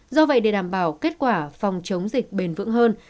do vậy để đảm bảo kết quả phòng chống dịch bền vững hơn